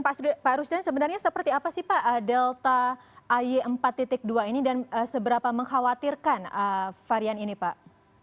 pak rusdan sebenarnya seperti apa sih pak delta ay empat dua ini dan seberapa mengkhawatirkan varian ini pak